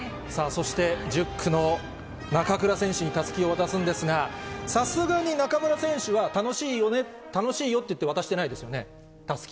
そして、１０区の中倉選手にたすきを渡すんですが、さすがに中村選手は、楽しいよって言って、渡してないですよね。